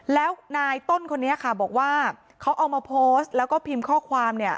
แล้วนายต้นคนนี้ค่ะบอกว่าเขาเอามาโพสต์แล้วก็พิมพ์ข้อความเนี่ย